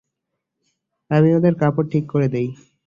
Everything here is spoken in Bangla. আমি ওদের কাপড় ঠিক করে দেই।